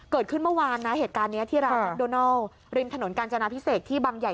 เกิดขึ้นเมื่อวานนะเหตุการณ์นี้ที่ร้านแอคโดนัลริมถนนกาญจนาพิเศษที่บังใหญ่